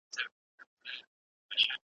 یوه ورځ به یې بېغمه له غپا سو `